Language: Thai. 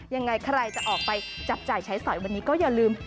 ยังไงใครจะออกไปจับจ่ายใช้สอยวันนี้ก็อย่าลืม